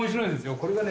これがね